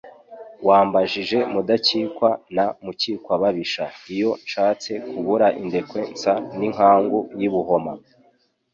Wambajije Mudakikwa na Mukikwababisha, Iyo nshatse kubura indekwe nsa n'inkangu y'i Buhoma.